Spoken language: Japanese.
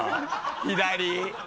左。